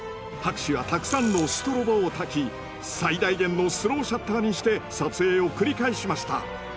博士はたくさんのストロボをたき最大限のスローシャッターにして撮影を繰り返しました。